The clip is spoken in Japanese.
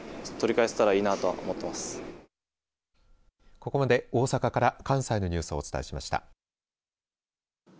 ここまで、大阪から関西のニュースをお伝えしました。